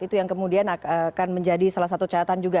itu yang kemudian akan menjadi salah satu catatan juga